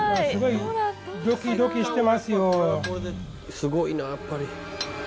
すごいなやっぱり。